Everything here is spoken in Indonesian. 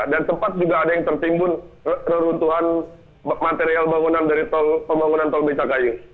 dan tempat juga ada yang tertimbun keruntuhan material pembangunan tol becakayu